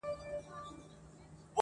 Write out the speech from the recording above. خو زه.